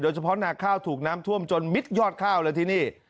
เฉพาะนาข้าวถูกน้ำท่วมจนมิดยอดข้าวเลยที่นี่